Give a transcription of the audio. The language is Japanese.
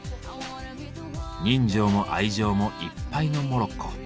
人情も愛情もいっぱいのモロッコ。